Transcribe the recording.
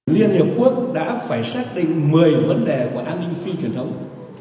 liên hiệp quốc đã phải xác định một mươi vấn đề của an ninh phi truyền thống